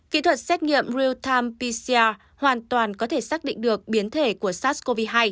kỹ thuật xét nghiệm real time pcr hoàn toàn có thể xác định được biến thể của sars cov hai